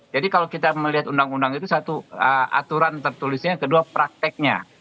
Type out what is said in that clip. jadi kalau kita melihat undang undang itu satu aturan tertulisnya kedua prakteknya